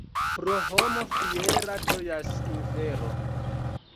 Pro homo fiera ĝojas infero.